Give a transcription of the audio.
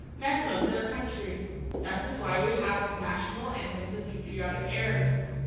Men love their country; that is why we have national anthems and patriotic airs.